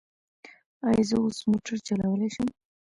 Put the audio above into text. ایا زه اوس موټر چلولی شم؟